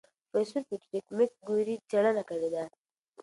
پروفیسور پیټریک مکګوري څېړنه کړې ده.